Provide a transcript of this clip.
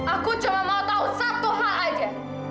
aku cuma mau tahu satu hal aja